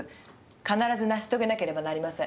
必ず成し遂げなければなりません。